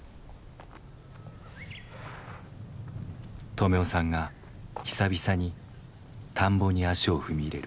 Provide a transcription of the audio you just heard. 止男さんが久々に田んぼに足を踏み入れる。